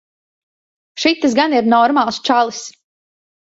Šitas gan ir normāls čalis.